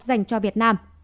dành cho việt nam